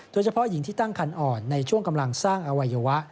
โดยเฉพาะหญิงที่ตั้งคันอ่อนในช่วงกำลังสร้างอวัยวะ